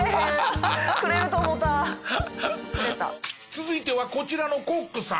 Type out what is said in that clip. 続いてはこちらのコックさん。